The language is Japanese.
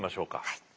はい。